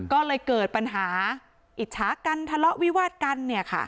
ก็เลยเกิดปัญหาอิจฉากันทะเลาะวิวาดกัน